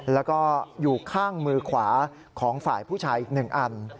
แล้วก็อยู่ข้างมือขวาของฝ่ายผู้ชายอีก๑อัน